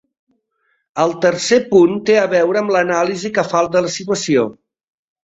El tercer punt té a veure amb l’anàlisi que fa de la situació.